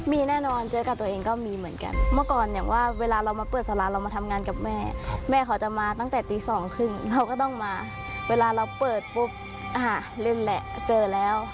มีแน่นอนเจอกับตัวเองก็มีเหมือนกันเมื่อก่อนอย่างว่าเวลาเรามาเปิดสาราเรามาทำงานกับแม่แม่เขาจะมาตั้งแต่ตีสองครึ่งเราก็ต้องมาเวลาเราเปิดปุ๊บอ่าเล่นแหละเจอแล้ว